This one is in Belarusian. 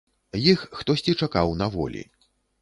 Іх хтосьці чакаў на волі.